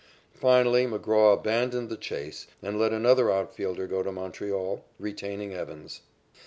Finally McGraw abandoned the chase and let another out fielder go to Montreal, retaining Evans.